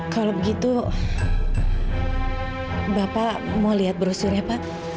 kalau begitu bapak mau lihat brosurnya pak